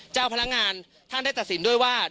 เจ้าพนักงานท่านได้ตัดสินด้วยว่า